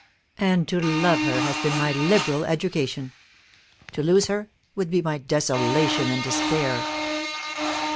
And to love her has been my 'liberal education;' to lose her would be my desolation and despair."